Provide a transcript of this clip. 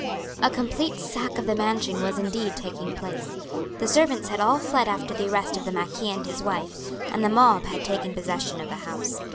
A complete sack of the mansion was indeed taking place. The servants had all fled after the arrest of the marquis and his wife, and the mob had taken possession of the house.